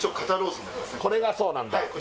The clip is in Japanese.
これがそうなんだはい